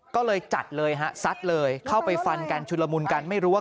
ก็เลยจัดเลยฮะซัดเลยเข้าไปฟันกันชุลมุนกันไม่รู้ว่า